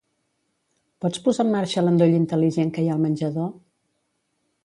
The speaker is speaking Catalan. Pots posar en marxa l'endoll intel·ligent que hi ha al menjador?